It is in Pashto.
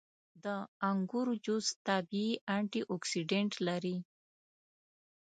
• د انګورو جوس طبیعي انټياکسیدنټ لري.